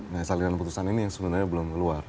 nah salinan putusan ini yang sebenarnya belum keluar